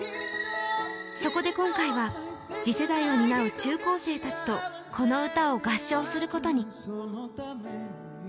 そこで今回は、次世代を担う中高生たちとこの歌を合唱することに。